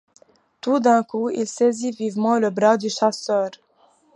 Tout d’un coup, il saisit vivement le bras du chasseur.